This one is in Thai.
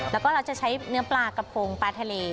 แล้วก็เราจะใช้เนื้อปลากระโพงปลาทะเล